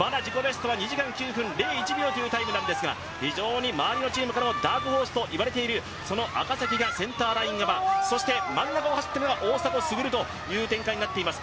２時間９分０１秒というタイムですが周りのチームからもダークホースとされている選手、その赤崎がセンターライン際、真ん中を走っているのが大迫傑という展開になっています。